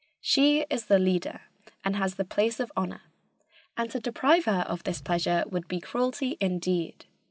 She is the leader and has the place of honor, and to deprive her of this pleasure would be cruelty indeed.